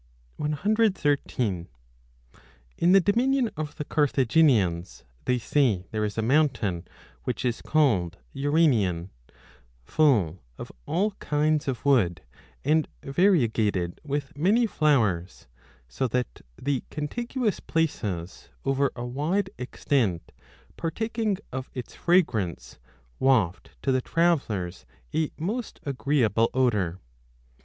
10 In the dominion of the Carthaginians 5 they say there is 113 a mountain which is called Uranion, 6 full of all kinds of wood and variegated with many flowers, so that the con tiguous places over a wide extent partaking of its fragrance waft to the travellers a most agreeable odour.